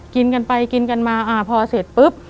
กินกันไปกินกันมาพอเสร็จปุ๊บ